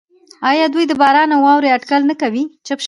آیا دوی د باران او واورې اټکل نه کوي؟